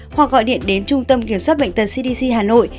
hoặc gọi điện đến trung tâm kiểm soát bệnh tật cdc hà nội